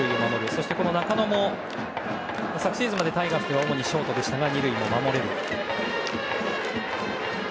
そして、中野も昨シーズンまでタイガースでは主にショートでしたが２塁の守れる。